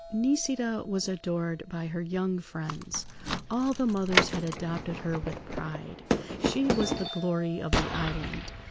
Nisida was adored by her young friends, all the mothers had adopted her with pride; she was the glory of the island.